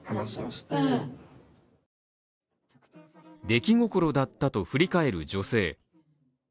出来心だったと振り返る女性。